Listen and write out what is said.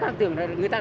chúng ta sẽ giải quyết